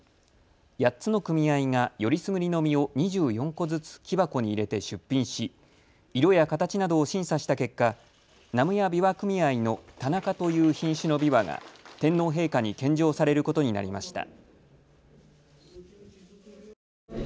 ８つの組合が選りすぐりの実を２４個ずつ木箱に入れて出品し色や形などを審査した結果南無谷枇杷組合の田中という品種のびわが天皇陛下に献上されることになりました。